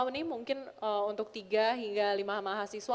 ini mungkin untuk tiga hingga lima mahasiswa